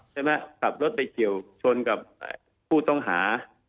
ใช่มั้ยขับรถไปเกี่ยวชนกับผู้ต้องหา